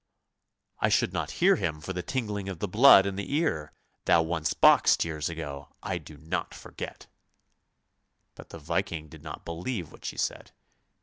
I should not hear him for the tingling of the blood in the ear thou once boxed years ago! I do not forget! " But the Viking did not believe what she said.